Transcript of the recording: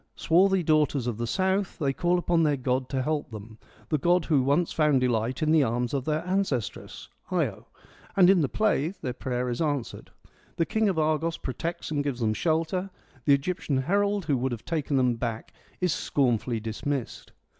Swarthy daughters of the South, they call upon their god to help them, the god who once found delight in the arms of their ancestress, Io ; and in the play their prayer is answered. The King of Argos protects and gives them shelter, the Egyptian herald who would have taken #iem back is scornfully dismissed.